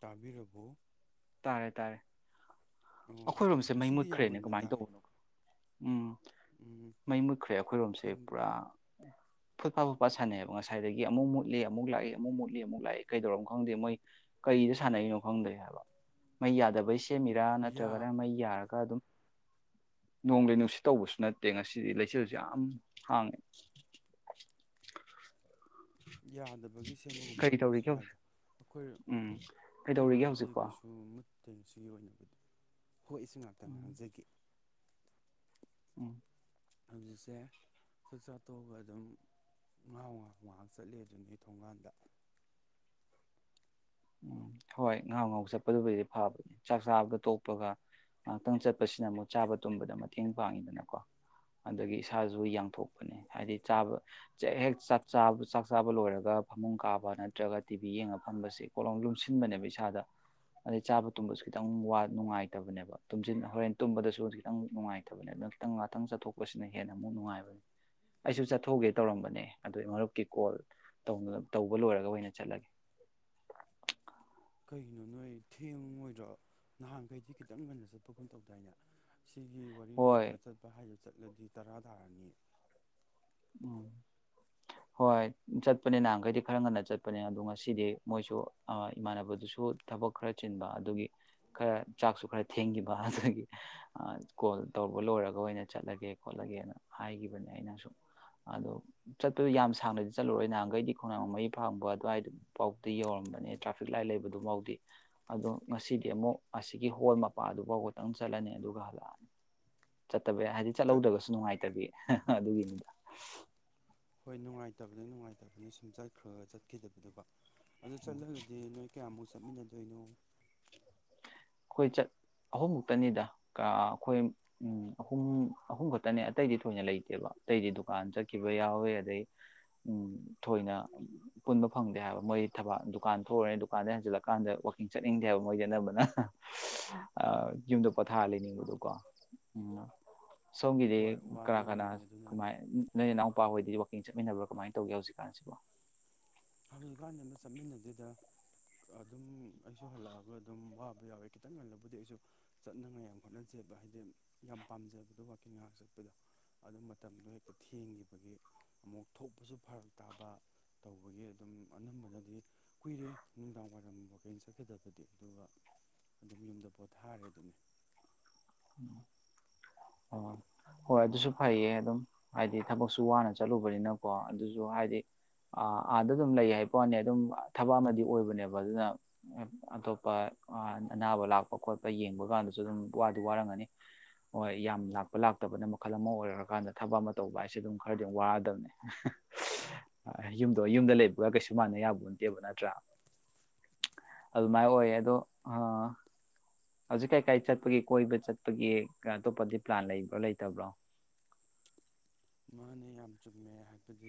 ꯇꯥꯕꯤ ꯔꯕꯣ ꯇꯥꯔꯦ ꯇꯥꯔꯦ ꯑꯣ ꯑꯩꯈꯣꯏꯔꯣꯝꯁꯦ ꯃꯩ ꯉꯁꯤꯗꯤ ꯌꯥꯝ ꯃꯨꯠꯈ꯭ꯔꯦꯅꯦ ꯉꯟꯅ ꯀꯃꯥꯏꯅ ꯇꯥꯛꯑꯦ ꯇꯧꯕꯅꯣ ꯎꯝ ꯎꯝ ꯃꯩ ꯃꯨꯠꯈ꯭ꯔꯦ ꯑꯩꯈꯣꯏꯔꯣꯝꯁꯦ ꯈꯪꯗꯦ ꯄꯨꯔꯥ ꯐꯨꯠ ꯄꯥ ꯐꯨꯠꯄꯥꯥ ꯁꯥꯟꯅꯩ ꯑꯕ ꯉꯁꯥꯏꯗꯒꯤ ꯑꯃꯨꯛ ꯃꯨꯠꯂꯤ ꯑꯃꯨꯛ ꯂꯥꯛꯏ ꯑꯃꯨꯛ ꯃꯨꯠꯂꯤ ꯑꯃꯨꯛ ꯂꯥꯛꯏ ꯀꯩꯗꯧꯔꯕꯣ ꯈꯪꯗꯦ ꯃꯣꯏ ꯀꯩꯗ ꯁꯥꯟꯅꯔꯤꯅꯣ ꯈꯪꯗꯦ ꯍꯥꯏꯕ ꯃꯩ ꯌꯥꯗꯕꯩ ꯁꯤ ꯁꯦꯝꯃꯤꯔꯥ ꯌꯥ ꯅꯠꯇ꯭ꯔꯒꯅ ꯃꯩ ꯌꯥꯔꯒ ꯑꯗꯨꯝ ꯅꯣꯡꯂꯩ ꯅꯨꯡꯁꯤꯠ ꯇꯧꯕꯁꯨ ꯅꯠꯇꯦ ꯉꯁꯤꯗꯤ ꯂꯩꯆꯜꯖꯦ ꯌꯥꯝ ꯍꯥꯡꯉꯦ ꯌꯥꯗꯕꯒꯤ ꯁꯦꯝꯕꯒꯨꯝꯕ ꯀꯔꯤ ꯑꯣꯏꯔꯝꯃꯁꯨ ꯇꯧꯔꯤꯒꯦ ꯍꯧꯖꯤꯛ ꯌꯥꯏꯗ ꯑꯩꯈꯣꯏ ꯎꯝ ꯀꯩꯗꯧꯔꯤꯒꯦ ꯑꯩꯈꯣꯏꯔꯣꯝꯕꯨꯗꯤ ꯍꯧꯖꯤꯛꯄꯣ ꯀꯩꯁꯨ [unintelligible] ꯍꯣꯏ ꯏꯁꯨ ꯉꯥꯛꯇꯪ ꯎꯝ ꯉꯥꯡꯖꯒꯦ ꯎꯝ ꯍꯧꯖꯤꯛꯁꯦ ꯆꯥꯛ ꯆꯥ ꯇꯣꯛꯑꯒ ꯑꯗꯨꯝ ꯉꯥꯍꯧꯉꯥꯍꯧ ꯉꯥꯏꯍꯥꯛ ꯆꯠꯂꯤ ꯑꯗꯨꯅꯤ ꯊꯣꯡꯒꯥꯟꯗ ꯎꯝ ꯍꯣꯏ ꯉꯥꯍꯧ ꯉꯥꯍꯧ ꯆꯠꯄꯗꯨꯕꯨꯗꯤ ꯐꯕꯅꯦ ꯆꯥꯛ ꯆꯥꯕꯗ ꯇꯣꯛꯄꯒ ꯉꯥꯏꯍꯥꯛꯇꯪ ꯆꯠꯄꯁꯤꯅ ꯑꯃꯨꯛ ꯆꯥꯕ ꯇꯨꯝꯕꯗ ꯃꯇꯦꯡ ꯄꯥꯡꯉꯤꯗꯅꯀꯣ ꯑꯗꯒꯤ ꯏꯁꯥꯖꯨ ꯌꯥꯡꯊꯣꯛꯄꯅꯦ ꯍꯥꯏꯗꯤ ꯆꯥꯕ ꯍꯦꯛ ꯆꯥꯛ ꯆꯥꯕ ꯂꯣꯏꯔꯒ ꯐꯃꯨꯡ ꯀꯥꯕ ꯅꯠꯇ꯭ꯔꯒ ꯇꯤꯚꯤ ꯌꯦꯡꯉ ꯐꯝꯕꯁꯦ ꯀꯣꯂꯣꯝ ꯂꯨꯝꯁꯤꯟꯕꯅꯦꯕ ꯏꯁꯥꯗ ꯑꯗꯩ ꯆꯥꯕ ꯇꯨꯝꯕꯁꯨ ꯈꯤꯇꯪ ꯅꯨꯡꯉꯥꯏꯇꯕꯅꯦꯕ ꯍꯣꯔꯦꯟ ꯇꯨꯝꯕꯗꯁꯨ ꯈꯤꯇꯪ ꯅꯨꯡꯉꯥꯏꯇꯕꯅꯦ ꯑꯗꯨ ꯈꯤꯇꯪ ꯉꯥꯛꯇꯪ ꯆꯠꯊꯣꯛꯄꯁꯤꯅ ꯍꯦꯟꯅ ꯑꯃꯨꯛ ꯅꯨꯡꯉꯥꯏꯕꯅꯦ ꯑꯩꯁꯨ ꯆꯠꯊꯣꯛꯒꯦ ꯇꯧꯔꯝꯕꯅꯦ ꯑꯗꯨ ꯃꯔꯨꯞꯀꯤ ꯀꯣꯜ ꯇꯧꯕ ꯂꯣꯏꯔꯒ ꯑꯣꯏꯅ ꯆꯠꯂꯒꯦ ꯀꯩꯒꯤꯅꯣ ꯅꯣꯏ ꯊꯦꯡꯉꯣꯏꯗ꯭ꯔꯣ ꯅꯍꯥꯟꯒꯩꯗꯤ ꯈꯤꯇꯪ ꯉꯟꯅ ꯆꯠꯄꯒꯨꯝ ꯇꯧꯗꯥꯏꯅꯦ ꯁꯤꯒꯤ ꯋꯥꯔꯤ ꯍꯣꯏ ꯂꯣꯏꯔꯒ ꯆꯠꯄ ꯍꯥꯏꯖꯦ ꯆꯠꯂꯗꯤ ꯇꯔꯥ ꯇꯥꯔꯅꯤ ꯎꯝ ꯍꯣꯏ ꯆꯠꯄꯅꯦ ꯅꯍꯥꯟꯈꯩꯗꯤ ꯈꯔ ꯉꯟꯅ ꯆꯠꯄꯅꯦ ꯑꯗꯣ ꯉꯁꯤꯗꯤ ꯃꯣꯏꯁꯨ ꯏꯃꯥꯟꯅꯕꯗꯨꯁꯨ ꯊꯕꯛ ꯈꯔ ꯆꯤꯟꯕ ꯑꯗꯨꯒꯤ ꯈꯔ ꯆꯥꯛꯁꯨ ꯈꯔ ꯊꯦꯡꯈꯤꯕ ꯑꯗꯨꯒꯤ ꯀꯣꯜ ꯇꯧꯕ ꯂꯣꯏꯔꯒ ꯑꯣꯏꯅ ꯆꯠꯂꯒꯦ ꯈꯣꯠꯂꯒꯦꯅ ꯍꯥꯏꯒꯤꯕꯅꯦ ꯑꯩꯅ ꯁꯨꯝ ꯑꯗꯣ ꯆꯠꯄꯗꯤ ꯌꯥꯝ ꯁꯥꯡꯅꯗꯤ ꯆꯠꯂꯨꯔꯣꯏ ꯅꯍꯥꯟꯒꯩꯗꯤ ꯈꯣꯡꯅꯥꯡ ꯃꯩ ꯐꯥꯡꯕ ꯑꯗꯨꯋꯥꯏꯗꯐꯥꯎꯗꯤ ꯌꯧꯔꯝꯕꯅꯦ ꯇ꯭ꯔꯥꯐꯤꯛ ꯂꯥꯏꯟ ꯂꯩꯕꯗꯨꯐꯥꯎꯗꯤ ꯑꯗꯣ ꯉꯁꯤꯗꯤ ꯑꯃꯨꯛ ꯑꯁꯤꯒꯤ ꯍꯣꯜ ꯃꯄꯥꯗꯨꯐꯥꯎ ꯈꯇꯪ ꯆꯠꯂꯅꯤ ꯑꯗꯨꯒ ꯍꯜꯂꯛꯑꯅꯤ ꯆꯠꯇꯕ ꯌꯥꯏ ꯍꯥꯏꯗꯤ ꯆꯠ ꯆꯠꯍꯧꯗꯒꯁꯨ ꯅꯨꯡꯉꯥꯏꯇꯕꯤ ꯑꯗꯨꯒꯤꯅꯤꯗ [unintelligible] ꯍꯣꯏ ꯅꯨꯡꯉꯥꯏꯇꯕꯅꯤ ꯅꯨꯡꯉꯥꯏꯇꯕꯅꯤ ꯁꯨꯝ ꯆꯠꯈ꯭ꯔꯒ ꯆꯠꯈꯤꯗꯕꯤꯗꯨꯀꯣ ꯑꯗꯨ ꯆꯠꯂꯗꯤ ꯅꯣꯏ ꯀꯌꯥꯃꯨ ꯆꯠꯃꯤꯟꯅꯗꯣꯏꯅꯣ ꯑꯩꯈꯣꯏ ꯆꯠ ꯑꯍꯨꯝ ꯃꯨꯛꯇꯅꯤꯗ ꯑꯩꯈꯣꯏ ꯎꯝ ꯑꯍꯨꯝ ꯑꯍꯨꯝ ꯈꯛꯇꯅꯤ ꯑꯇꯩꯗꯤ ꯊꯣꯏꯅ ꯂꯩꯇꯦꯕ ꯑꯇꯩꯗꯤ ꯗꯨꯀꯥꯟ ꯆꯠꯈꯤꯕ ꯌꯥꯎꯋꯦ ꯑꯗꯩ ꯎꯝ ꯊꯣꯏꯅ ꯄꯨꯟꯕ ꯐꯪꯗꯦ ꯍꯥꯏꯕ ꯃꯣꯏ ꯊꯕꯥꯛ ꯗꯨꯀꯥꯟ ꯊꯣꯛꯎꯅꯤ ꯗꯨꯀꯥꯟꯗ ꯍꯟꯖꯤꯜꯂꯛꯀꯥꯟꯗ ꯋꯥꯛꯀꯤꯡ ꯆꯠꯅꯤꯡꯗꯦ ꯍꯥꯏꯕ ꯃꯣꯏꯗꯤ ꯑꯅꯝꯕꯅ ꯑ ꯌꯨꯝꯗ ꯄꯣꯊꯥ ꯂꯩ ꯅꯤꯡꯕꯗꯣꯀꯣ ꯎꯝ ꯁꯣꯝꯒꯤꯗꯤ ꯍꯣꯏ ꯀꯅꯥ ꯀꯅꯥ ꯋꯥꯅꯔꯝꯃꯅꯤ ꯑꯗꯨꯅꯅꯦ ꯀꯃꯥꯏ ꯅꯣꯏ ꯅꯅꯥꯎ ꯅꯨꯄꯥ ꯍꯣꯏꯗꯤ ꯋꯥꯛꯀꯤꯡ ꯆꯠꯃꯤꯟꯅꯕ꯭ꯔꯥ ꯀꯃꯥꯏꯅ ꯇꯧꯒꯦ ꯍꯧꯖꯤꯛꯀꯥꯟꯁꯤꯕꯣ ꯍꯧꯖꯤꯛꯀꯥꯟ ꯑꯃ ꯆꯠꯃꯤꯟꯅꯗꯦꯗ ꯑꯗꯨꯝ ꯑꯩꯁꯨ ꯍꯜꯂꯛ ꯑꯒ ꯑꯗꯨꯝ ꯋꯥꯕ ꯌꯥꯎꯋꯦ ꯈꯤꯇꯪ ꯉꯜꯂꯕꯨꯗꯤ ꯑꯩꯁꯨ ꯆꯠꯅꯉꯥꯏ ꯌꯥꯝ ꯍꯣꯠꯅꯖꯩꯕ ꯍꯥꯏꯗꯤ ꯌꯥꯝ ꯄꯥꯝꯖꯕꯗꯣ ꯋꯥꯀꯤꯡ ꯉꯥꯏꯍꯥꯛ ꯆꯠꯄꯗꯣ ꯑꯗꯨ ꯃꯇꯝꯗꯣ ꯍꯦꯛꯇ ꯊꯦꯡꯒꯤꯕꯒꯤ ꯑꯃꯨꯛ ꯊꯣꯛꯄꯁꯨ ꯐꯔꯛ ꯇꯥꯕ ꯇꯧꯕꯒꯤ ꯑꯗꯨꯝ ꯑꯅꯝꯕꯅꯗꯤ ꯀꯨꯏꯔꯦ ꯅꯨꯡꯗꯥꯡ ꯋꯥꯏꯔꯝ ꯋꯥꯀꯤꯡ ꯆꯠꯈꯤꯗꯕꯗꯤ ꯑꯗꯨꯒ ꯑꯗꯨꯝ ꯌꯨꯝꯗ ꯄꯣꯊꯥꯔꯦ ꯑꯗꯨꯅꯤ ꯑꯣ ꯍꯣꯏ ꯑꯗꯨꯁꯨ ꯐꯩꯌꯦ ꯑꯗꯨꯝ ꯍꯥꯏꯗꯤ ꯊꯕꯛꯁꯨ ꯋꯥꯅ ꯆꯠꯂꯨꯕꯅꯤꯅꯀꯣ ꯑꯗꯨꯁꯨ ꯍꯥꯏꯗꯤ ꯑꯥꯗ ꯑꯗꯨꯝ ꯂꯩ ꯍꯥꯏ ꯕ ꯋꯥꯅꯦ ꯑꯗꯨꯝ ꯊꯕꯛ ꯑꯃꯗꯤ ꯑꯣꯏꯕꯅꯦꯕ ꯑꯗꯨꯅ ꯑꯇꯣꯞꯄ ꯑꯅꯥꯕ ꯂꯥꯛꯄ ꯈꯣꯠꯄ ꯌꯦꯡꯕ ꯀꯥꯟꯗꯁꯨ ꯑꯗꯨꯝ ꯋꯥꯠ ꯑꯗꯨ ꯋꯥꯔꯝꯒꯅꯤ ꯍꯣꯏ ꯌꯥꯝ ꯂꯥꯛꯄ ꯂꯥꯛꯇꯕꯅ ꯃꯈꯜ ꯑꯃ ꯑꯣꯏꯔꯀꯥꯟꯗ ꯊꯕꯛ ꯑꯃ ꯇꯧꯕ ꯍꯥꯏꯁꯦ ꯑꯗꯨꯝ ꯈꯔꯗꯤ ꯋꯥꯗꯕꯅꯦ ꯌꯨꯝꯗꯣ ꯌꯨꯝꯗ ꯂꯩꯕꯒ ꯀꯩꯁꯨ ꯃꯥꯟꯅ ꯌꯥꯕ ꯅꯠꯇꯦꯕ ꯅꯠꯇ꯭ꯔꯥ ꯑꯗꯨꯃꯥꯏꯅ ꯑꯣꯏꯌꯦ ꯑꯗꯣ ꯍꯧꯖꯤꯛ ꯀꯩ ꯀꯥꯏ ꯆꯠꯄꯒꯤ ꯀꯣꯏꯕ ꯆꯠꯄꯒꯤ ꯑꯇꯣꯞꯄꯗꯤ ꯄ꯭ꯂꯥꯟ ꯂꯩꯕ꯭ꯔꯣ ꯂꯩꯇꯕ꯭ꯔꯣ ꯃꯥꯅꯦ ꯌꯥꯝ ꯆꯨꯝꯃꯦ ꯍꯥꯏꯕꯗꯤ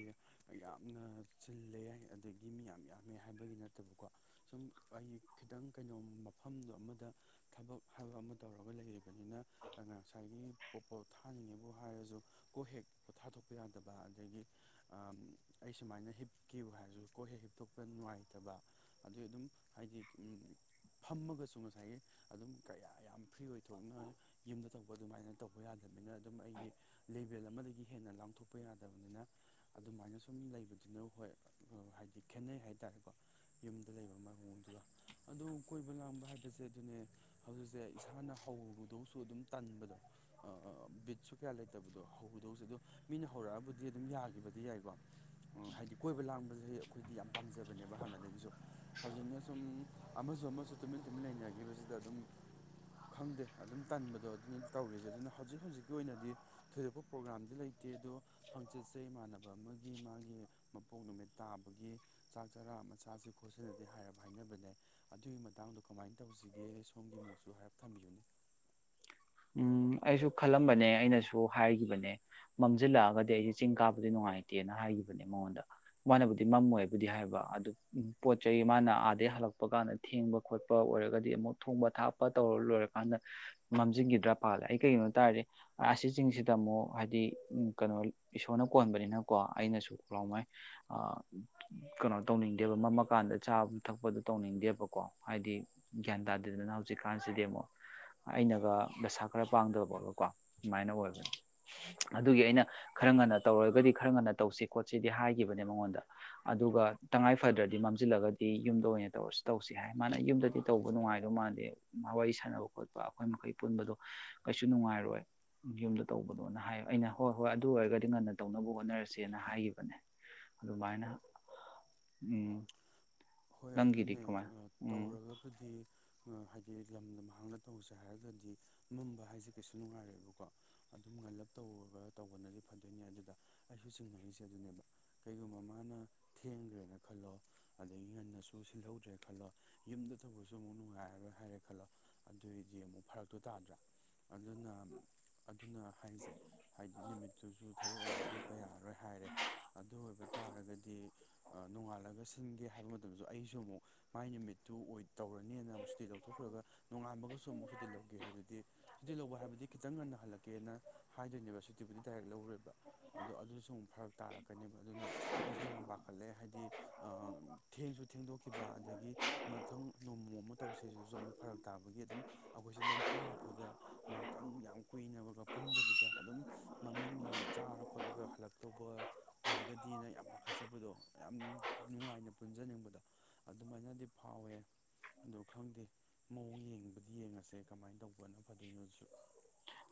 ꯌꯥꯝꯅ ꯆꯤꯜꯂꯦ ꯑꯗꯒꯤ ꯃꯤ ꯌꯥꯝ ꯌꯥꯝꯃꯦ ꯍꯥꯏꯕꯒꯤ ꯅꯠꯇꯕꯀꯣ ꯁꯨꯝ ꯑꯩ ꯈꯤꯇꯪ ꯀꯩꯅꯣꯝ ꯃꯐꯝꯗꯣ ꯑꯃꯗ ꯊꯕꯛ ꯍꯥꯏꯕ ꯑꯃ ꯇꯧꯔꯒ ꯂꯩꯔꯤꯕ ꯑꯣꯏꯅꯤꯅ ꯉꯁꯥꯏꯒꯤ ꯄꯣ ꯄꯣꯊꯥꯅꯤꯡꯉꯤꯕꯨ ꯍꯥꯏꯔꯖꯨ ꯀꯣ ꯍꯦꯛ ꯄꯣꯊꯥꯊꯣꯛꯄ ꯌꯥꯗꯕ ꯑꯗꯒꯤ ꯑꯩ ꯁꯨꯃꯥꯏꯅ ꯍꯤꯞꯀꯦꯕꯨ ꯍꯥꯏꯔꯁꯨ ꯀꯣꯛ ꯍꯦꯛ ꯍꯤꯞꯇꯣꯛꯄ ꯅꯨꯡꯉꯥꯏꯇꯕ ꯑꯗꯨꯒꯤ ꯑꯗꯨꯝ ꯍꯥꯏꯗꯤ ꯐꯝꯃꯒꯁꯨ ꯉꯁꯥꯏꯒꯤ ꯑꯗꯨꯝ ꯀꯌꯥ ꯌꯥꯝ ꯐ꯭ꯔꯤ ꯑꯣꯏꯊꯣꯛꯅ ꯌꯨꯝꯗ ꯇꯧꯕ ꯑꯗꯨꯃꯥꯏꯅ ꯇꯧꯕ ꯌꯥꯗꯕꯅꯤꯅ ꯑꯗꯨꯝ ꯑꯩꯒꯤ ꯂꯦꯚꯦꯜ ꯑꯃꯗꯒꯤ ꯍꯦꯟꯅ ꯂꯥꯡꯊꯣꯛꯄ ꯌꯥꯗꯕꯅꯤꯅ ꯑꯗꯨꯃꯥꯏꯅ ꯁꯨꯝ ꯂꯩꯕꯗꯨꯅ ꯍꯣꯏ ꯍꯥꯏꯗꯤ ꯈꯦꯠꯅꯩ ꯍꯥꯏꯇꯥꯔꯦꯀꯣ ꯌꯨꯝꯗ ꯂꯩꯕ ꯃꯑꯣꯡꯗꯨꯒ ꯑꯗꯣ ꯀꯣꯏꯕ ꯂꯥꯡꯕ ꯍꯥꯏꯕꯁꯦ ꯑꯗꯨꯅꯦ ꯍꯧꯖꯤꯛꯁꯦ ꯏꯁꯥꯅ ꯍꯧꯔꯨꯗꯧꯁꯨ ꯑꯗꯨꯝ ꯇꯟꯕꯗꯣ ꯕꯤꯠꯁꯨ ꯀꯌꯥ ꯂꯩꯇꯕꯗꯣ ꯍꯧꯔꯨꯗꯧꯁꯨ ꯑꯗꯨꯝ ꯃꯤꯅ ꯍꯧꯔꯛꯑꯕꯨꯗꯤ ꯑꯗꯨꯝ ꯌꯥꯒꯤꯕꯗꯤ ꯌꯥꯏꯀꯣ ꯎ ꯍꯥꯏꯗꯤ ꯀꯣꯏꯕ ꯂꯥꯡꯕꯁ ꯑꯩꯈꯣꯏꯗꯤ ꯌꯥꯝ ꯄꯥꯝꯖꯕꯅꯦꯕ ꯍꯥꯟꯅꯗꯒꯤꯁꯨ ꯍꯧꯖꯤꯛꯅ ꯁꯨꯝ ꯑꯃꯁꯨ ꯑꯃꯁꯨ ꯇꯨꯃꯤꯟ ꯇꯨꯃꯤꯟ ꯂꯩꯅꯈꯤꯕꯁꯤꯗ ꯑꯗꯨꯝ ꯈꯪꯗꯦ ꯑꯗꯨꯝ ꯇꯟꯕꯗꯣ ꯑꯗꯨꯅꯤ ꯇꯧꯔꯤꯁꯦ ꯑꯗꯨꯅ ꯍꯧꯖꯤꯛ ꯍꯧꯖꯤꯛꯀꯤ ꯑꯣꯏꯅꯗꯤ ꯊꯣꯏꯗꯣꯛꯄ ꯄ꯭ꯔꯣꯒꯔꯥꯝꯗꯤ ꯂꯩ ꯑꯗꯣ ꯍꯪꯆꯤꯠꯁꯦ ꯏꯃꯥꯟꯅꯕ ꯑꯃꯒꯤ ꯃꯥꯒꯤ ꯃꯄꯣꯛ ꯅꯨꯃꯤꯠ ꯇꯥꯕꯒꯤ ꯆꯥꯛ ꯆꯔꯥ ꯃꯆꯥꯁꯤ ꯈꯣꯠꯁꯤꯅꯗꯤ ꯍꯥꯏꯔꯞ ꯍꯥꯏꯅꯕꯅꯦ ꯑꯗꯨꯒꯤ ꯃꯇꯥꯡꯗꯣ ꯀꯃꯥꯏꯅ ꯇꯧꯁꯤꯒꯦ ꯁꯣꯝꯒꯤ ꯃꯣꯠꯁꯨ ꯍꯥꯏꯔꯞ ꯊꯝꯕꯤꯌꯨꯅꯦ ꯎꯝ ꯑꯩꯁꯨ ꯈꯜꯂꯝꯕꯅꯦ ꯑꯩꯅꯁꯨ ꯍꯥꯏꯒꯤꯕꯅꯦ ꯃꯝꯁꯤꯜꯂꯛꯑꯒꯗꯤ ꯑꯩꯖꯦ ꯆꯤꯡ ꯀꯥꯕꯗꯤ ꯅꯨꯡꯉꯥꯏꯇꯦꯅ ꯍꯥꯏꯒꯤꯈꯤꯕꯅꯦ ꯃꯉꯣꯟꯗ ꯃꯥꯅꯕꯨꯗꯤ ꯃꯝꯃꯣꯏꯕꯨꯗꯤ ꯍꯥꯏꯕ ꯑꯗꯨ ꯄꯣꯠ ꯆꯩ ꯃꯥꯅ ꯑꯥꯗꯩ ꯍꯜꯂꯛꯄ ꯀꯥꯟꯗ ꯊꯦꯡꯕ ꯈꯣꯠꯄ ꯑꯣꯏꯔꯒꯗꯤ ꯑꯃꯨꯛ ꯊꯣꯡꯕ ꯊꯥꯛꯞꯄ ꯇꯧꯔ ꯂꯣꯏꯔꯀꯥꯟꯗ ꯃꯝꯖꯤꯟꯑꯤ ꯗ꯭ꯔ ꯄꯥꯜꯂꯦ ꯑꯩ ꯀꯩꯒꯤꯅꯣ ꯇꯥꯔꯗꯤ ꯑꯁꯤ ꯆꯁꯤꯡꯁꯤꯗ ꯑꯃꯨꯛ ꯍꯥꯏꯗꯤ ꯀꯩꯅꯣ ꯏꯁꯣꯔꯅ ꯀꯣꯟꯕꯅꯤꯅꯀꯣ ꯑꯩꯅꯁꯨ ꯍꯂꯥꯎ ꯃꯥꯏ ꯀꯩꯅꯣ ꯇꯧꯅꯤꯡꯗꯦꯕ ꯃꯝꯃꯀꯥꯟꯗ ꯆꯥꯕ ꯊꯛꯄꯗ ꯇꯧꯅꯤꯡꯗꯦꯕꯀꯣ ꯍꯥꯏꯗꯤ ꯒ꯭ꯌꯥꯟ ꯇꯥꯗꯦꯗꯅ ꯍꯧꯖꯤꯛꯀꯥꯟꯁꯤꯗꯤ ꯑꯃꯨꯛ ꯑꯩꯅꯒ ꯄꯩꯁꯥ ꯈꯔ ꯄꯥꯡꯗꯕꯒ ꯀꯣ ꯑꯗꯨꯃꯥꯏꯅ ꯑꯣꯏꯕꯅꯦ ꯑꯗꯨꯒꯤ ꯑꯩꯅ ꯈꯔ ꯉꯟꯅ ꯇꯧꯔꯒꯗꯤ ꯈꯔ ꯉꯟꯅ ꯇꯧꯁꯤ ꯈꯣꯠꯁꯤꯗꯤ ꯍꯥꯏꯈꯤꯕꯅꯦ ꯃꯉꯣꯟꯗ ꯑꯗꯨꯒ ꯇꯉꯥꯏ ꯐꯗ꯭ꯔꯗꯤ ꯃꯝꯖꯤꯜꯂꯒꯗꯤ ꯌꯨꯝꯗ ꯑꯣꯏꯅ ꯇꯧꯔꯁꯨ ꯇꯧꯁꯤ ꯍꯥꯏ ꯃꯥꯅ ꯌꯨꯝꯗꯗꯤ ꯇꯧꯕ ꯅꯨꯡꯉꯥꯏꯗꯧ ꯃꯥꯟꯗꯦ ꯋꯥꯔꯤ ꯁꯥꯟꯅꯕ ꯈꯣꯠꯄ ꯑꯩꯈꯣꯏ ꯃꯈꯩ ꯄꯨꯟꯕꯗꯣ ꯀꯩꯁꯨ ꯅꯨꯡꯉꯥꯏꯔꯣꯏ ꯌꯨꯝꯗ ꯇꯧꯕꯗꯣꯅ ꯍꯥꯏ ꯑꯩꯅ ꯍꯣꯏ ꯍꯣꯏ ꯑꯗꯨ ꯑꯣꯏꯔꯒꯗꯤ ꯉꯟꯅ ꯇꯧꯅꯕ ꯍꯣꯠꯅꯔꯁꯦꯅ ꯍꯥꯏꯈꯤꯕꯅꯦ ꯑꯗꯨꯃꯥꯏꯅ ꯎꯝ ꯍꯣꯏ ꯅꯪꯒꯤꯗꯤ ꯑꯗꯨꯅꯦ ꯀꯃꯥꯏ ꯎꯝ ꯇꯧꯔꯒꯕꯨꯗꯤ ꯍꯥꯏꯗꯤ ꯂꯝꯗꯥꯡꯗ ꯇꯧꯁꯦ ꯍꯥꯏꯔꯒꯗꯤ ꯃꯝꯕ ꯍꯥꯏꯁꯦ ꯀꯩꯁꯨ ꯅꯨꯡꯉꯥꯏꯔꯦꯏꯕꯀꯣ ꯑꯗꯨꯝ ꯉꯜꯂꯞ ꯇꯧꯔꯒ ꯇꯧꯕꯅꯗꯤ ꯐꯗꯣꯏꯅꯦ ꯑꯗꯨꯗ ꯑꯩꯁꯨ ꯆꯤꯡꯅꯔꯤꯁꯦ ꯑꯗꯨꯅꯦꯕ ꯀꯩꯒꯨꯝꯕ ꯃꯥꯅ ꯊꯦꯡꯈ꯭ꯔꯦꯅ ꯈꯜꯂꯣ ꯑꯗꯒꯤ ꯉꯟꯅꯁꯨ ꯁꯤꯜꯍꯧꯗ꯭ꯔꯦ ꯈꯜꯂꯣ ꯌꯨꯝꯗ ꯇꯧꯕꯁꯨ ꯑꯃꯨꯛ ꯅꯨꯡꯉꯥꯏꯔꯔꯣꯏ ꯍꯥꯏꯔꯦ ꯈꯜꯂꯣ ꯑꯗꯨꯏꯗꯤ ꯑꯃꯨꯛ ꯐꯔꯛꯇꯣ ꯇꯥꯗ꯭ꯔꯥ ꯑꯗꯨꯅ ꯑꯗꯨꯅ ꯍꯥꯏꯁꯦ ꯍꯥꯏꯗꯤ ꯅꯨꯃꯤꯠꯇꯨꯁꯨ ꯊꯕꯛ ꯑꯃꯨꯛ ꯂꯦꯞꯄ ꯌꯥꯔꯔꯣꯏ ꯍꯥꯏꯔꯦ ꯑꯗꯨ ꯑꯣꯏꯕ ꯇꯥꯔꯒꯗꯤ ꯅꯣꯡꯉꯥꯜꯂꯒ ꯁꯤꯟꯒꯦ ꯍꯥꯏꯕ ꯃꯇꯝꯗ ꯑꯩꯁꯨ ꯑꯃꯨꯛ ꯃꯥꯏ ꯅꯨꯃꯤꯠꯇꯨ ꯑꯣꯏ ꯇꯧꯔꯅꯤꯅ ꯑꯃꯨꯛ ꯁꯨꯇꯤ ꯂꯧꯊꯣꯛꯈ꯭ꯔꯒ ꯅꯣꯡꯉꯥꯟꯕꯒꯁꯨ ꯑꯃꯨꯛ ꯁꯨꯇꯤ ꯂꯧꯒꯦ ꯍꯥꯏꯗꯨꯗꯤ ꯁꯨꯇꯤ ꯂꯧꯕ ꯍꯥꯏꯕꯗꯤ ꯈꯤꯇꯪ ꯉꯟꯅ ꯍꯜꯂꯛꯀꯦꯅ ꯍꯥꯏꯗꯣꯏꯅꯦꯕ ꯁꯨꯇꯤꯕꯨꯗꯤ ꯗꯥꯏꯔꯦꯛ ꯂꯧꯔꯣꯏꯕ ꯑꯗꯣ ꯑꯗꯨꯗꯁꯨ ꯑꯃꯨꯛ ꯐꯔꯛ ꯇꯥꯔꯛꯀꯅꯦꯕ ꯑꯗꯨꯅ ꯑꯩꯁꯨ ꯌꯥꯝ ꯄꯥꯈꯠꯂꯦ ꯍꯥꯏꯗꯤ ꯑꯥ ꯊꯦꯡꯁꯨ ꯊꯦꯡꯗꯣꯛꯈꯤꯕ ꯑꯗꯒꯤ ꯃꯊꯪ ꯅꯣꯡꯃ ꯑꯃꯨꯛ ꯇꯧꯁꯦꯗꯨꯁꯨ ꯑꯃꯨꯛ ꯐꯔꯛ ꯇꯥꯕꯒꯤ ꯑꯗꯨꯝ ꯑꯩꯈꯣꯏꯁꯦ ꯅꯝꯐꯨ ꯍꯥꯐꯨꯗ ꯉꯍꯥꯛꯇꯪ ꯌꯥꯝ ꯀꯨꯏꯅꯕꯒ ꯄꯨꯟꯗꯕꯤꯗ ꯑꯗꯨꯝ ꯃꯃꯤꯡꯒꯤ ꯆꯥꯔ ꯈꯣꯠꯂꯒ ꯍꯜꯂꯛꯇꯛꯇꯧꯕ ꯑꯣꯏꯔꯒꯗꯤ ꯗꯦꯅ ꯌꯥꯝ ꯄꯥꯈꯠꯆꯕꯗꯣ ꯌꯥꯝ ꯅꯨꯡꯉꯥꯏꯅ ꯆꯠꯅꯤꯡꯕꯗ ꯑꯗꯨꯃꯥꯏꯅꯗꯤ ꯐꯥꯎꯋꯦ ꯑꯗꯣ ꯈꯪꯗꯦ ꯃꯑꯣꯡ ꯌꯦꯡꯕꯗꯤ ꯌꯦꯡꯉꯁꯦ ꯀꯃꯥꯏꯅ ꯇꯧꯕꯅꯣ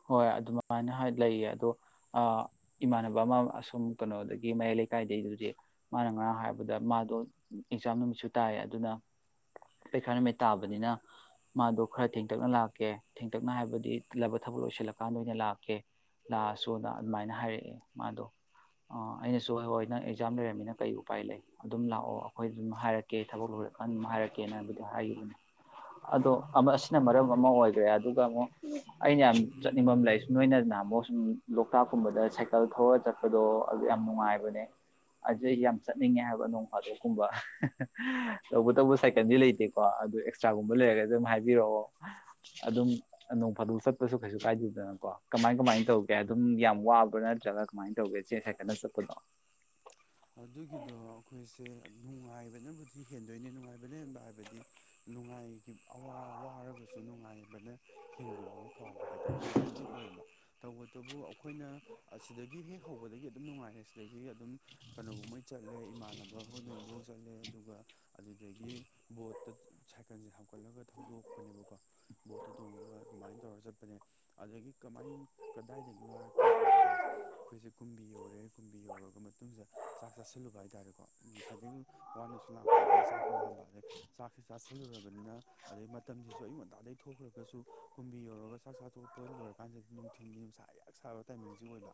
ꯍꯣꯏ ꯑꯗꯨꯃꯥꯏꯅ ꯂꯩꯌꯦ ꯑꯗꯣ ꯏꯃꯥꯟꯅꯕ ꯑꯃ ꯑꯁꯨꯝ ꯀꯩꯅꯣꯗꯒꯤ ꯃꯌꯥꯏ ꯂꯩꯀꯥꯏꯗꯩꯕꯨꯗꯤ ꯃꯥꯅ ꯉꯔꯥꯡ ꯍꯥꯏꯕꯗ ꯃꯥꯗꯣ ꯑꯦꯛꯖꯥꯝ ꯅꯨꯃꯤꯠꯁꯨ ꯇꯥꯏꯌꯦ ꯑꯗꯨꯅ ꯄꯩꯈꯥ ꯅꯨꯃꯤꯠ ꯇꯥꯕꯅꯤꯅ ꯃꯥꯗꯣ ꯈꯔ ꯊꯦꯡꯇꯛꯅ ꯂꯥꯛꯀꯦ ꯊꯦꯡꯇꯛꯅ ꯍꯥꯏꯕꯗꯤꯂꯕ ꯊꯕꯛ ꯂꯣꯏꯁꯤꯜꯂꯀꯥꯟꯗ ꯑꯣꯏꯅ ꯂꯥꯛꯀꯦ ꯂꯥꯛꯑꯁꯨꯅ ꯑꯗꯨꯃꯥꯏꯅ ꯍꯥꯏꯔꯛꯑꯦ ꯃꯥꯗꯣ ꯑꯩꯅꯁꯨ ꯍꯣꯏ ꯍꯣꯏ ꯅꯪ ꯑꯦꯛꯖꯥꯝ ꯂꯩꯔꯝꯃꯤꯅ ꯀꯩ ꯎꯄꯥꯏ ꯂꯩ ꯑꯗꯨꯝ ꯂꯥꯛꯑꯣ ꯑꯩꯈꯣꯏ ꯑꯗꯨꯝ ꯍꯥꯏꯔꯛꯀꯦ ꯊꯕꯛ ꯂꯣꯏꯔꯀꯥꯟꯗ ꯑꯗꯨꯝ ꯍꯥꯏꯔꯛꯀꯦꯅ ꯍꯥꯏꯕꯨꯗꯤ ꯍꯥꯏꯈꯤꯕꯅꯤ ꯑꯗꯣ ꯑꯁꯤꯅ ꯃꯔꯝ ꯑꯃ ꯑꯣꯏꯒ꯭ꯔꯦ ꯑꯗꯨꯒ ꯑꯃꯨꯛ ꯑꯩꯅ ꯌꯥꯝ ꯆꯠꯅꯤꯡꯕ ꯂꯩ ꯅꯣꯏꯅ ꯅꯍꯥꯟꯃꯨꯛ ꯁꯨꯝ ꯂꯣꯛꯇꯥꯛꯀꯨꯝꯕꯗ ꯁꯥꯏꯀꯜ ꯊꯧꯔꯒ ꯆꯠꯄꯗꯣ ꯑꯗꯨ ꯌꯥꯝ ꯅꯨꯡꯉꯥꯏꯕꯅꯦ ꯑꯗꯨ ꯑꯩ ꯌꯥꯝ ꯆꯠꯅꯤꯡꯉꯦ ꯍꯥꯏꯕ ꯅꯣꯡ ꯐꯥꯗꯣꯛꯀꯨꯝꯕ ꯇꯧꯕꯇꯕꯨ ꯁꯥꯏꯀꯜꯗꯤ ꯂꯩꯇꯦꯀꯣ ꯑꯗꯨ ꯑꯦꯛꯁꯇ꯭ꯔꯥꯒꯨꯝꯕ ꯂꯩꯔꯒꯗꯤ ꯑꯗꯨꯝ ꯍꯥꯏꯕꯤꯔꯛꯑꯣ ꯑꯗꯨꯝ ꯅꯣꯡ ꯐꯥꯗꯣꯛ ꯆꯠꯄꯁꯨ ꯀꯩꯁꯨ ꯀꯥꯏꯗꯦꯗꯅꯀꯣ ꯀꯃꯥꯏ ꯀꯃꯥꯏꯅ ꯇꯧꯒꯦ ꯑꯗꯨꯝ ꯌꯥꯝ ꯋꯥꯕ꯭ꯔꯣ ꯅꯠꯇ꯭ꯔꯒ ꯀꯃꯥꯏꯅ ꯇꯧꯒꯦ ꯆꯦ ꯁꯥꯏꯀꯟꯗ ꯆꯠꯄꯗꯣ ꯑꯗꯨꯒꯤꯗꯣ ꯑꯩꯈꯣꯏꯁꯦ ꯅꯨꯡꯉꯥꯏꯕꯅꯕꯨꯗꯤ ꯍꯦꯟꯗꯣꯏꯅꯤ ꯅꯨꯡꯉꯥꯏꯕꯅ ꯍꯦꯟꯕ ꯍꯥꯏꯕꯗꯤ ꯅꯨꯡꯉꯥꯏꯒꯤ ꯑꯋꯥꯕ ꯋꯥꯔꯒꯁꯨ ꯅꯨꯡꯉꯥꯏꯕꯅ ꯍꯦꯟꯒꯤꯕꯒꯤ ꯀꯥꯎꯕ ꯍꯥꯏꯗꯣ ꯑꯗꯨꯃꯥꯏꯅꯗꯤ ꯑꯣꯏꯌꯦꯕ ꯇꯧꯕ [unintelligible] ꯑꯩꯈꯣꯏꯅ ꯑꯁꯤꯗꯒꯤ ꯍꯦꯛ ꯍꯧꯕꯗꯒꯤ ꯑꯗꯨꯝ ꯅꯨꯡꯉꯥꯏꯔꯦ ꯁꯤꯗꯒꯤ ꯑꯗꯨꯝ ꯀꯅ ꯎꯣꯏ ꯆꯠꯂꯦ ꯏꯃꯥꯟꯅꯕ ꯍꯣꯏ ꯃꯌꯨꯝꯗꯁꯨ ꯆꯪꯉꯦ ꯑꯗꯨꯒ ꯑꯗꯨꯗꯒꯤ ꯕꯣꯠꯇ ꯁꯥꯏꯀꯜꯁꯦ ꯍꯥꯞꯀꯠꯂꯒ ꯊꯧꯗꯣꯛꯄꯅꯦꯕꯀꯣ ꯕꯣꯠꯇ ꯇꯣꯡꯉꯒ ꯑꯗꯨꯃꯥꯏꯅ ꯇꯧꯔ ꯆꯠꯄꯅꯦ ꯑꯗꯒꯤ ꯀꯃꯥꯏ ꯀꯗꯥꯏꯗꯒꯤ ꯋꯥꯔꯛꯀꯦ ꯍꯥꯏꯕꯗ ꯑꯩꯈꯣꯏꯁꯦ ꯀꯨꯝꯕꯤ ꯌꯧꯔꯦ ꯀꯨꯝꯕꯤ ꯌꯧꯔꯒ ꯆꯥꯛ ꯆꯥꯁꯤꯜꯂꯨꯕ ꯍꯥꯏꯇꯥꯔꯦ ꯉ ꯁꯥꯏꯗꯒꯤ ꯋꯥꯅꯁꯨ ꯂꯥꯛꯄꯒꯤ ꯆꯥꯛꯁꯨ ꯂꯥꯝꯕ ꯑꯗꯩ ꯆꯥꯛꯁꯨ ꯆꯥꯁꯤꯟ ꯆꯁꯤꯜꯂꯨꯔꯕꯅꯤꯅ ꯑꯗꯩ ꯃꯇꯝꯁꯤꯁꯨ ꯑꯌꯨ ꯉꯟꯇꯥꯗꯩ ꯊꯣꯛꯈ꯭ꯔꯒꯁꯨ ꯀꯨꯝꯕꯤ ꯌꯧꯔꯒ ꯆꯥꯛ ꯆꯥꯊꯣꯛꯄ ꯂꯣꯏꯔꯀꯥꯟꯗꯗꯤ ꯅꯨꯡꯊꯤꯟꯜꯒꯤ ꯅꯨꯡꯁꯥ ꯌꯥꯛ ꯁꯥꯕ ꯇꯥꯏꯃꯤꯡꯁꯤ ꯑꯣꯏꯕ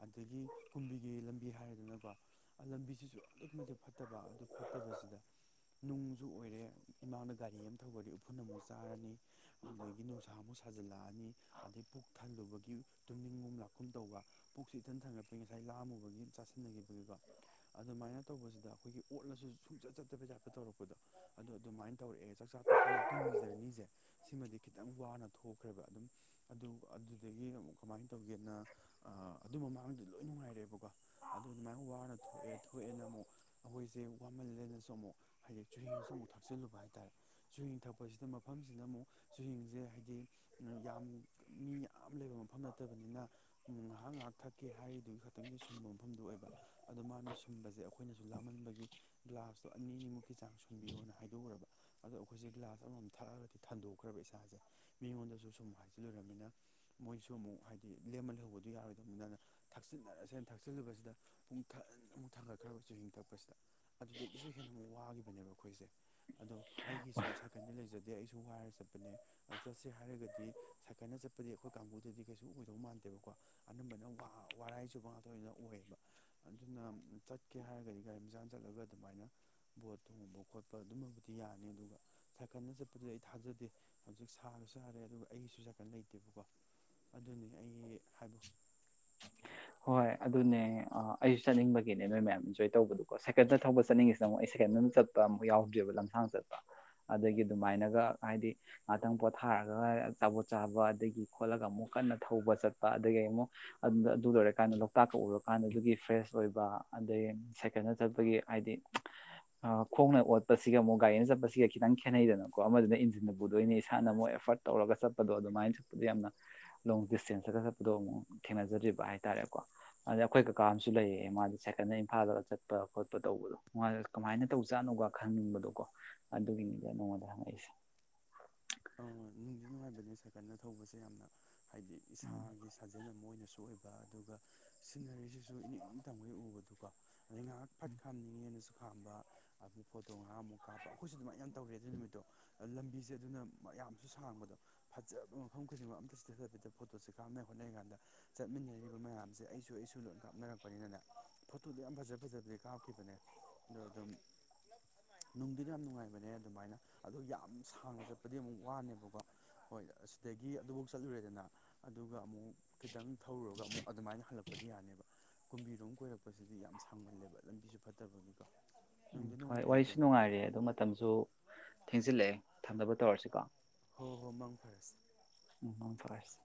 ꯑꯗꯒꯤ ꯀꯨꯝꯕꯤꯒꯤ ꯂꯝꯕꯤ ꯂꯝꯕꯤꯁꯤꯁꯨ ꯑꯗꯨꯛꯀꯤ ꯃꯇꯤꯛ ꯐꯠꯇꯕ ꯑꯗꯨ ꯐꯠꯇꯕꯁꯤꯗ ꯅꯨꯡ ꯨ ꯑꯣꯏꯔꯦ ꯏꯃꯥꯡꯅ ꯒꯥꯔꯤ ꯑꯃ ꯊꯧꯗꯣꯔꯛꯑꯦ ꯎꯐꯨꯟ ꯑꯃꯨꯛ ꯆꯥꯔꯅꯤ ꯑꯗꯨꯗꯒꯤ ꯅꯨꯡꯁꯥꯃꯨꯛ ꯁꯥꯖꯤꯜꯂꯛꯑꯅꯤ ꯑꯗꯩ ꯄꯨꯛ ꯊꯜꯂꯨꯕꯒꯤ ꯇꯨꯅꯤꯡꯒꯨꯝ ꯂꯥꯛꯀꯨꯝꯝ ꯇꯧꯕ ꯄꯨꯛꯁꯤ ꯏꯊꯟ ꯊꯟꯒꯠꯄꯒꯤ ꯉꯁꯥꯏ ꯂꯥꯝꯃꯨ ꯆꯥꯁꯦ ꯑꯗꯨꯃꯥꯏꯅ ꯇꯧꯕꯁꯤꯗ ꯑꯩꯈꯣꯏꯒꯤ ꯑꯣꯠꯂꯁꯨ ꯆꯠꯆꯠꯇꯕꯩ ꯇꯥꯞꯇ ꯇꯧꯔꯛꯄꯗꯣ ꯑꯗꯨ ꯑꯗꯨꯃꯥꯏꯅ ꯇꯧꯔꯛꯑꯦ ꯆꯥꯛ ꯆꯥ ꯇꯣꯛꯄ ꯃꯇꯨꯡꯒꯤ ꯖꯔꯅꯤꯖꯦ ꯁꯤꯃꯗꯤ ꯈꯤꯇꯪ ꯋꯥꯅ ꯊꯣꯛꯈ꯭ꯔꯦꯕ ꯑꯗꯨꯝ ꯑꯗꯨ ꯑꯗꯨꯗꯒꯤ ꯑꯃꯨꯛ ꯀꯃꯥꯏꯅ ꯇꯧꯒꯦꯅ ꯑꯗꯨ ꯃꯃꯥꯡꯗ ꯂꯣꯏ ꯅꯨꯡꯉꯥꯏꯔꯦꯕꯀꯣ ꯑꯗꯨꯃꯥꯏꯅ ꯋꯥꯅ ꯊꯣꯛꯑꯦ ꯊꯣꯛꯑꯦꯅ ꯑꯃꯨꯛ ꯑꯩꯈꯣꯏꯖꯦ [unintelligible] ꯍꯥꯏꯗꯤ ꯆꯨꯍꯤꯡꯁꯨ ꯑꯃꯨꯛ ꯊꯛꯆꯜꯂꯨꯕ ꯍꯥꯏꯇꯥꯔꯦ ꯆꯨꯍꯤꯡ ꯊꯛꯄꯖꯤꯗ ꯃꯐꯝꯖꯤꯅ ꯑꯃꯨꯛ ꯆꯨꯍꯤꯡꯖꯦ ꯍꯥꯏꯗꯤ ꯌꯥꯝ ꯃꯤ ꯌꯥꯝ ꯂꯩꯕ ꯃꯐꯝ ꯅꯠꯇꯕꯅꯤꯅ ꯉꯥꯍꯥꯛ ꯉꯥꯍꯥꯛ ꯊꯛꯀꯦ ꯍꯥꯏꯔꯤꯗꯨꯒꯤ ꯈꯛꯇꯪꯒꯤ ꯁꯨꯝꯕ ꯑꯣꯏꯕ ꯑꯗꯣ ꯃꯥꯅ ꯁꯨꯝꯕꯖꯦ ꯑꯩꯈꯣꯏꯅꯖꯨ ꯂꯥꯃꯟꯕꯒꯤ ꯒ꯭ꯂꯥꯁꯇꯣ ꯑꯅꯤꯅꯤꯃꯨꯛ ꯀꯤ ꯆꯥꯡ ꯁꯨꯡꯕꯤꯌꯣꯅ ꯍꯥꯏꯗꯣꯛꯎꯔꯕ ꯑꯗꯣ ꯑꯩꯈꯣꯏꯖꯦ ꯒ꯭ꯂꯥꯁ ꯑꯃꯃꯝ ꯊꯛꯑꯒꯗꯤ ꯊꯟꯗꯣꯛꯈ꯭ꯔꯕ ꯏꯁꯥꯖꯦ ꯃꯤꯉꯣꯟꯗꯖꯨ ꯁꯨꯝ ꯍꯥꯏꯖꯤꯜꯂꯨꯨꯔꯃꯤꯅ ꯃꯣꯏꯖꯨ ꯑꯃꯨꯛ ꯍꯥꯏꯗꯤ ꯂꯦꯝꯃ ꯂꯩꯍꯧꯕꯗꯨ ꯌꯥꯔꯣꯏꯗꯕꯅꯤꯅ ꯊꯛꯆꯤꯟꯅꯔꯁꯦꯅ ꯇꯛꯆꯤꯜꯂꯨꯕꯁꯤꯗ ꯄꯨꯡ ꯊꯟ ꯊꯥꯡꯒꯠꯈ꯭ꯔꯕ ꯆꯨꯍꯤꯡꯊꯛꯄꯁꯤꯗ ꯑꯗꯨꯗꯒꯤꯁꯨ ꯍꯦꯟꯅ ꯑꯃꯨꯛ ꯋꯥꯒꯤꯈꯤꯕꯅꯦꯕ ꯑꯩꯈꯣꯏꯁꯦ ꯑꯗꯣ ꯑꯩꯒꯤꯁꯨ ꯁꯥꯏꯀꯜꯗꯤ ꯂꯩꯖꯗꯦ ꯑꯩꯁꯨ ꯅꯨꯉꯥꯢꯔ ꯆꯠꯄꯅꯦ ꯑꯗꯨ ꯆꯠꯁꯦ ꯍꯥꯏꯔꯒꯗꯤ ꯁꯥꯏꯀꯜꯅ ꯆꯠꯄꯗꯤ ꯑꯩꯈꯣꯏ ꯀꯥꯡꯕꯨꯗꯗꯤ ꯀꯩꯁꯨ ꯑꯣꯏꯗꯧ ꯃꯥꯟꯗꯦꯕꯀꯣ ꯑꯅꯝꯕꯅ ꯋꯥꯔꯥꯏꯆꯨꯕ ꯉꯥꯛꯇ ꯑꯣꯢꯅ ꯑꯣꯏꯌꯦꯕ ꯑꯗꯨꯅ ꯆꯠꯀꯦ ꯍꯥꯏꯔꯒꯗꯤ ꯒꯥꯔꯤ ꯃꯆꯥ ꯆꯠꯂꯒ ꯑꯗꯨꯃꯥꯏꯅ ꯕꯣꯠ ꯊꯣꯡꯕ ꯈꯣꯠꯄ ꯑꯗꯨꯃꯕꯨꯗꯤ ꯌꯥꯅꯤ ꯑꯗꯨꯒ ꯁꯥꯏꯀꯠꯗ ꯆꯠꯄꯗꯨꯗꯤ ꯑꯩ ꯊꯥꯖꯗꯦ ꯍꯧꯖꯤꯛ ꯁꯥꯕꯁꯨ ꯁꯥꯔꯦ ꯑꯗꯨꯒ ꯑꯩꯒꯤꯁꯨ ꯁꯥꯀꯟ ꯂꯩꯇꯦꯕꯀꯣ ꯑꯗꯨꯅꯤ ꯑꯩ ꯍꯣꯏ ꯑꯗꯨꯅꯦ ꯑꯥ ꯑꯩ ꯆꯠꯅꯤꯡꯕꯒꯤꯅꯦ ꯅꯣꯏ ꯃꯌꯥꯝ ꯏꯟꯖꯣꯏ ꯇꯧꯕꯗꯨꯀꯣ ꯁꯦꯀꯦꯟꯗ ꯊꯧꯕ ꯆꯠꯅꯤꯡꯉꯤꯁꯤꯅ ꯑꯃꯨꯛ ꯑꯩ ꯁꯦꯀꯦꯟꯗ ꯑꯃ ꯆꯠꯄ ꯑꯃꯨꯛ ꯌꯥꯎꯗ꯭ꯔꯤꯕ ꯂꯝꯁꯥꯡ ꯆꯠꯄ ꯑꯗꯒꯤ ꯑꯗꯨꯃꯥꯏꯅꯒ ꯍꯥꯏꯗꯤ ꯉꯍꯥꯛꯇꯪ ꯄꯣꯊꯥꯔꯒ ꯑꯆꯥꯕꯣꯠ ꯆꯥꯕ ꯑꯗꯒꯤ ꯈꯣꯠꯂꯒ ꯑꯃꯨꯛ ꯀꯟꯅ ꯊꯧꯕ ꯆꯠꯄ ꯑꯗꯒꯤ ꯑꯃꯨꯛ ꯑꯗꯨꯗꯔ ꯂꯣꯛꯇꯥꯛꯀ ꯎꯔ ꯀꯥꯟꯗ ꯑꯗꯨꯒꯤ ꯐ꯭ꯔꯦꯁ ꯑꯣꯏꯕ ꯑꯗꯩ ꯁꯥꯏꯀꯜꯅ ꯆꯠꯄꯒꯤ ꯍꯥꯏꯗꯤ ꯈꯣꯡꯅ ꯑꯣꯠꯄꯁꯤꯒ ꯑꯃꯨꯛ ꯒꯥꯔꯤꯅ ꯆꯠꯄꯁꯤꯒ ꯈꯤꯇꯪ ꯈꯦꯠꯅꯩꯗꯅꯀꯣ ꯑꯃꯗꯨꯅ ꯏꯟꯖꯤꯟꯗ ꯄꯨꯗꯣꯏꯅꯤ ꯏꯁꯥꯅ ꯑꯃꯨꯛ ꯑꯦꯐꯔꯠ ꯇꯧꯔꯒ ꯆꯠꯄꯗꯣ ꯑꯗꯨꯃꯥꯏꯅ ꯆꯠꯄꯗꯣ ꯌꯥꯝꯅ ꯂꯣꯡ ꯗ꯭ꯤꯁꯇ꯭ꯦꯟꯁꯇꯒ ꯆꯠꯄꯗꯣ ꯑꯃꯨꯛ ꯊꯦꯡꯅꯖꯗ꯭ꯔꯤꯕ ꯍꯥꯏꯕ ꯍꯥꯏꯇꯥꯔꯦꯀꯣ ꯑꯗꯩ ꯑꯩꯈꯣꯏ ꯀꯀꯥ ꯑꯃꯁꯨ ꯂꯩꯌꯦ ꯃꯥꯗꯤ ꯁꯥꯏꯀꯜꯗ ꯏꯝꯐꯥꯜꯗ ꯆꯠꯄ ꯈꯣꯠꯄ ꯇꯧꯕꯗꯣ ꯃꯥꯗꯣ ꯀꯃꯥꯏꯅ ꯇꯧ ꯖꯥꯠꯅꯣꯒ ꯈꯪꯅꯤꯡꯕꯗꯣꯀꯣ ꯑꯗꯨꯒꯤꯅꯤꯗ ꯅꯉꯣꯟꯗ ꯍꯪꯉꯛꯏꯁꯦ ꯅꯨꯡꯉꯥꯢꯕꯅꯦ ꯁꯥꯏꯀꯟꯗ ꯊꯧꯕꯁꯦ ꯌꯥꯝꯅ ꯍꯥꯏꯗꯤ ꯎꯝ ꯏꯁꯥꯒꯤ ꯁꯥꯖꯟ ꯑꯃ ꯑꯣꯏꯅ ꯁꯨ ꯑꯣꯏꯕ ꯑꯗꯨꯒ ꯁꯤꯖꯤꯟꯅꯔꯤꯁꯤꯁꯨ ꯏꯅꯤꯡꯇꯝꯒꯩ ꯎꯕꯗꯨꯀꯣ ꯑꯗꯩ ꯉꯍꯥꯛ ꯐꯠ ꯈꯥꯅꯤꯡꯉꯦꯅꯁꯨ ꯈꯝꯕ ꯑꯗꯨ ꯐꯣꯇꯣ ꯉꯥꯛ ꯑꯃꯨꯛ ꯀꯥꯞꯄ ꯑꯩꯈꯣꯏꯁꯨ ꯑꯗꯨꯃꯥꯏꯅ ꯌꯥꯝ ꯇꯧꯔꯛꯑꯦ ꯑꯗꯨ ꯅꯨꯃꯤꯠꯇꯣ ꯂꯝꯕꯤꯁꯦ ꯑꯗꯨꯅ ꯃꯌꯥꯝꯁꯨ ꯁꯥꯡꯕꯗꯣ ꯐꯖꯕ ꯃꯐꯝ ꯈꯨꯗꯤꯡꯃꯛ ꯑꯝꯇ ꯆꯤꯊꯕꯤꯗ ꯐꯣꯇꯣꯁꯦ ꯀꯥꯞꯅ ꯍꯣꯠꯅꯔꯤ ꯀꯥꯟꯗ ꯆꯠꯃꯤꯟꯅꯔꯤꯕ ꯃꯌꯥꯝꯁꯦ ꯑꯩꯁꯨ ꯑꯩꯁꯨ ꯂꯣꯏ ꯀꯥꯞꯅꯔꯛꯄꯅꯤꯅ ꯐꯣꯇꯣꯗꯣ ꯌꯥꯝ ꯐꯖ ꯐꯖꯕꯗꯤ ꯀꯥꯞꯈꯤꯕꯅꯦ ꯑꯗꯣ ꯑꯗꯨꯝ ꯅꯨꯡꯗꯨꯗ ꯌꯥꯝ ꯅꯨꯡꯉꯥꯏꯕꯅꯦ ꯑꯗꯨꯃꯥꯏꯅ ꯑꯗꯣ ꯌꯥꯝ ꯁꯥꯡꯅ ꯆꯠꯄ ꯗꯤ ꯑꯃꯨꯛ ꯋꯥꯅꯦꯕꯀꯣ ꯍꯣꯏ ꯑꯁꯤꯗꯒꯤ ꯑꯗꯨꯐꯧ ꯆꯠꯂꯨꯔꯦꯗꯅ ꯑꯗꯨꯒ ꯑꯃꯨꯛ ꯈꯤꯇꯪ ꯊꯧꯔꯨꯔꯒ ꯑꯃꯨꯛ ꯑꯗꯨꯃꯥꯏꯅ ꯍꯜꯂꯛ [unintelligible] ꯎꯝ ꯍꯣꯏ ꯋꯥꯔꯤꯁꯨ ꯅꯨꯡꯉꯥꯏꯔꯦ ꯑꯗꯨ ꯃꯇꯝꯁꯨ ꯊꯦꯡꯖꯤꯜꯂꯛꯑꯦ ꯊꯝꯅꯕ ꯇꯧꯔꯁꯤꯀꯣ ꯍꯣ ꯍꯣ ꯃꯥꯡ ꯐꯔꯥꯁꯦ ꯃꯪꯄꯥꯔꯁꯦ